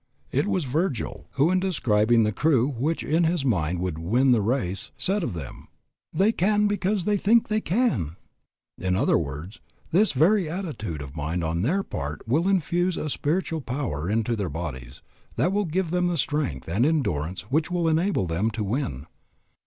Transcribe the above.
It was Virgil who in describing the crew which in his mind would win the race, said of them, They can because they think they can. In other words, this very attitude of mind on their part will infuse a spiritual power into their bodies that will give them the strength and endurance which will enable them to win.